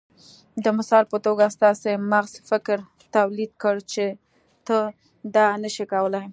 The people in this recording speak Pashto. د مثال په توګه ستاسې مغز فکر توليد کړ چې ته دا نشې کولای.